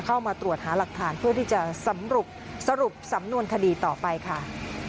เข้ามาตรวจหาหลักฐานเพื่อที่จะสรุปสำนวนคดีต่อไปค่ะ